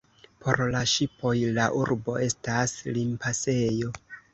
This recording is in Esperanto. Por la ŝipoj la urbo estas limpasejo.